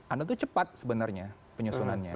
anda tuh cepat sebenarnya penyusunannya